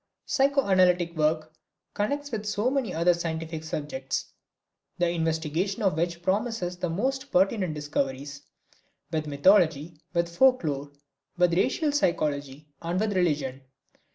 Psychoanalytic work connects with so many other scientific subjects, the investigation of which promises the most pertinent discoveries, with mythology, with folk lore, with racial psychology and with religion.